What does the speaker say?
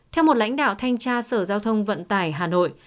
theo một lãnh đạo thanh tra sở giao thông vận tải hà nội